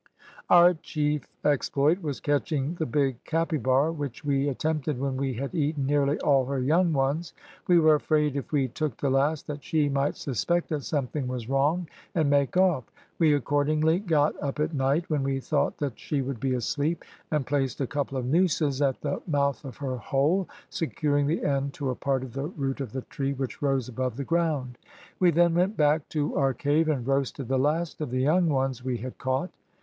"Our chief exploit was catching the big capybara, which we attempted when we had eaten nearly all her young ones. We were afraid if we took the last, that she might suspect that something was wrong and make off. We accordingly got up at night, when we thought that she would be asleep, and placed a couple of nooses at the mouth of her hole, securing the end to a part of the root of the tree which rose above the ground. We then went back to our cave, and roasted the last of the young ones we had caught.